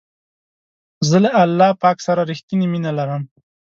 زه له الله پاک سره رښتنی مینه لرم.